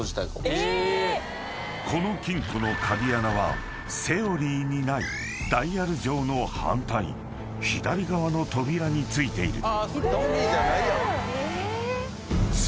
［この金庫の鍵穴はセオリーにないダイヤル錠の反対左側の扉に付いている］